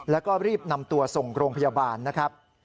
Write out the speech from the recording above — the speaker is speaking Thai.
แล้วก็รีบนำตัวส่งโรงพยาบาลนะครับ